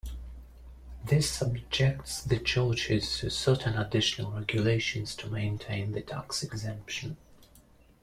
This subjects the churches to certain additional regulations to maintain the tax exemption.